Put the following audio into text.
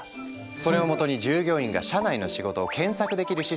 それをもとに従業員が社内の仕事を検索できるシステムを構築。